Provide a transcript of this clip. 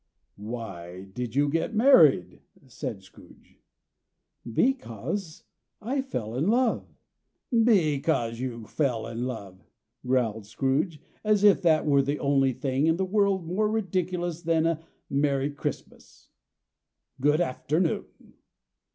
"Why did you get married?" said Scrooge. "Because I fell in love." "Because you fell in love!" growled Scrooge, as if that were the only one thing in the world more ridiculous than a merry Christmas. "Good afternoon!"